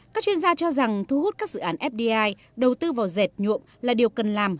các chuyên gia cho rằng thu hút các dự án fdi đầu tư vào dệt nhuộm là điều cần làm